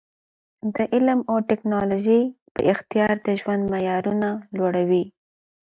د علم او ټکنالوژۍ پراختیا د ژوند معیارونه لوړوي.